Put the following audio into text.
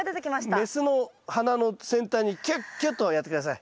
雌の花の先端にキュッキュとやって下さい。